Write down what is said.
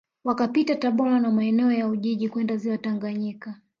Wakapita Tabora na maeneo ya Ujiji kwenda Ziwa Tanganyika